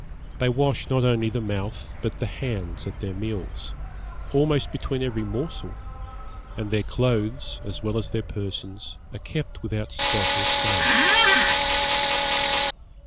They wash not only the mouth, but the hands at their meals, almost between every morsel; and their clothes, as well as their persons, are kept without spot or stain.'